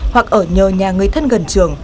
hoặc ở nhờ nhà người thân gần trường